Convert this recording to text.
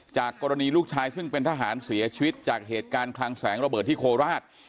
จากกรณีลูกชายซึ่งเป็นทหารเสียชีวิตจากเหตุการณ์คลังแสงระเบิดที่โคราช